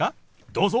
どうぞ。